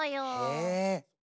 へえ。